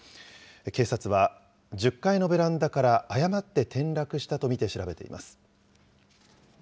警察は、１０階のベランダから誤って転落したと見て調べています。